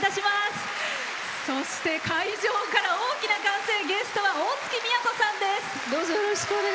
そして、会場から大きな歓声ゲストは大月みやこさんです。